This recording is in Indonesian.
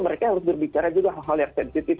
mereka harus berbicara juga hal hal yang sensitif